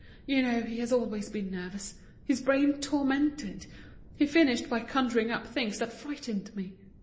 You know he has always been nervous, his brain tormented. He finished by conjuring up things that frightened me.